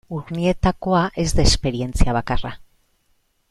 Urnietakoa ez da esperientzia bakarra.